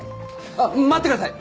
あっ待ってください！